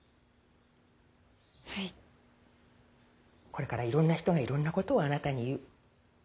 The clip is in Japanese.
これからいろんな人がいろんなことをあなたに言う。